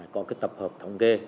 có cái tập hợp thống kê